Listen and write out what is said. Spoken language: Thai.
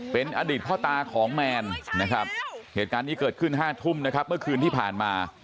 เป็นอดีตพ่อตาของแมนนะครับเหตุการณ์นี้เกิดขึ้น๕ทุ่มนะครับเมื่อคืนที่ผ่านมา